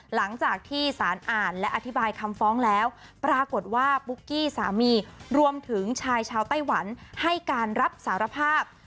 หลังจากที่สารอ่านและอธิบายคำฟ้องแล้วปรากฏว่าปุ๊กกี้สามีรวมถึงชายชาวไต้หวันให้การรับสารภาพ